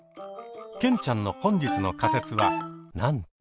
ケンちゃんの本日の仮説はなんと。